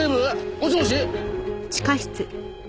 もしもし？